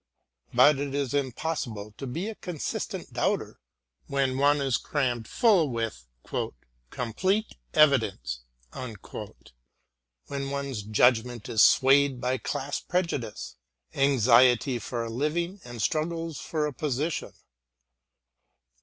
But it is impossible to be a consistent doubter when one is crammed full with "complete evidence," and when one's judgment is swayed by class prejudice, anxiety for a living and struggles for a position.